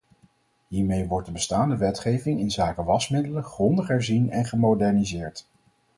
Hiermee wordt de bestaande wetgeving inzake wasmiddelen grondig herzien en gemoderniseerd.